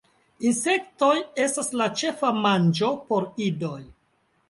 Insektoj estas la ĉefa manĝo por idoj.